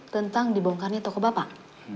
tentang dibongkarnya toko bapak